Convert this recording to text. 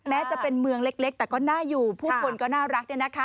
แม้จะเป็นเมืองเล็กแต่ก็น่าอยู่ผู้คนก็น่ารัก